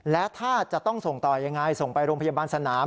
และถ้าจะต้องส่งต่อยังไงส่งไปโรงพยาบาลสนาม